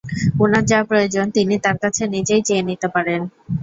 উনার যা প্রয়োজন তিনি তার কাছে নিজেই চেয়ে নিতে পারেন।